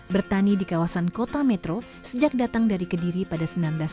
bertani di kawasan kota metro sejak datang dari kediri pada seribu sembilan ratus delapan puluh